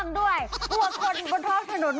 ดูสิ